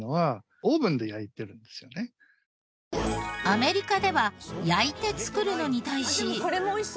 アメリカでは焼いて作るのに対し。